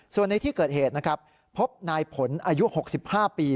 ส่วนในที่เกิดเหตุนะครับพบนายผลอายุ๖๕ปี